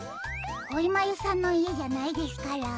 こいまゆさんのいえじゃないですから。